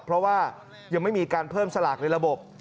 เพราะว่ายังไม่มีการเพิ่มสลากในระบบ